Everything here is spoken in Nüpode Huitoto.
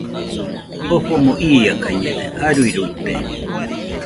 Jofomo iakañede, aruiruite